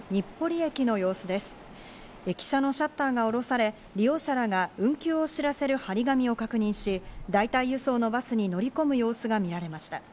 駅舎のシャッターが下ろされ、利用者らが運休を知らせる張り紙を確認し、代替輸送のバスに乗り込む様子が見られました。